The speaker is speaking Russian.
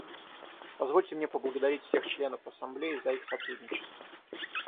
Позвольте мне поблагодарить всех членов Ассамблеи за их сотрудничество.